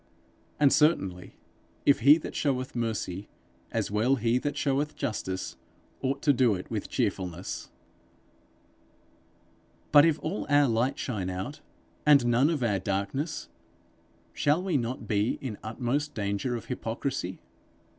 And certainly, if he that showeth mercy, as well he that showeth justice, ought to do it with cheerfulness. But if all our light shine out, and none of our darkness, shall we not be in utmost danger of hypocrisy?